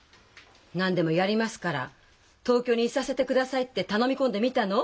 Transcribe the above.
「何でもやりますから東京にいさせてください」って頼み込んでみたの？